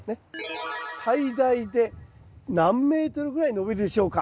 最大で何メートルぐらい伸びるでしょうか？